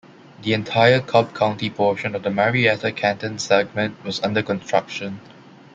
The entire Cobb County portion of the Marietta-Canton segment was under construction.